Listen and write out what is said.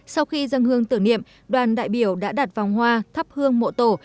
sau khi dân hương tưởng niệm đoàn đại biểu đã đặt vòng hoa thắp hương mộ tổ